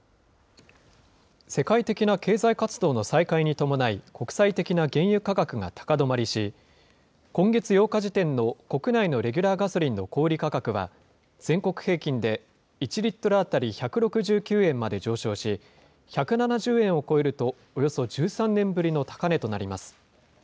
世界的な経済活動の再開に伴い、国際的な原油価格が高止まりし、今月８日時点の国内のレギュラーガソリンの小売り価格は、全国平均で１リットル当たり１６９円まで上昇し、１７０円を超えるとおよそ１３年ぶりの高値となります。